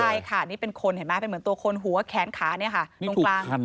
ใช่ค่ะนี่เป็นคนเห็นไหมเป็นเหมือนตัวคนหัวแขนขาเนี่ยค่ะตรงกลาง